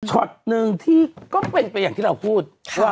ช็อตหนึ่งที่ก็เป็นไปอย่างที่เราพูด